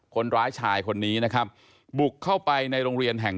คนร้ายชายคนนี้นะครับบุกเข้าไปในโรงเรียนแห่ง